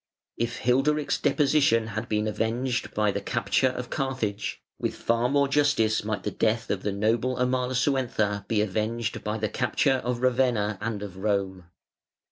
If Hilderic's deposition had been avenged by the capture of Carthage, with far more justice might the death of the noble Amalasuentha be avenged by the capture of Ravenna and of Rome.